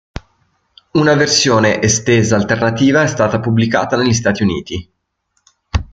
Una versione estesa alternativa è stata pubblicata negli Stati Uniti.